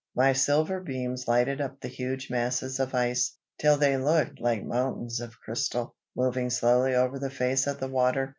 My silver beams lighted up the huge masses of ice, till they looked like mountains of crystal, moving slowly over the face of the water.